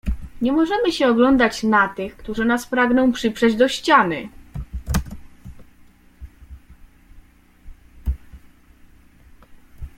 "Nie możemy się oglądać na tych, którzy nas pragną przyprzeć do ściany."